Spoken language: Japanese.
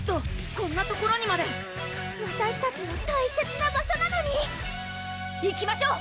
こんな所にまでわたしたちの大切な場所なのにいきましょう！